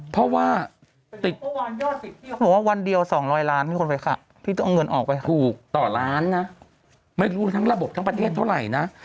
เพราะว่าติดพี่เขาบอกว่าวันเดียว๒๐๐ล้านมีคนไปขับพี่ต้องเอาเงินออกไปถูกต่อล้านนะไม่รู้ทั้งระบบทั้งประเทศเท่าไหร่นะ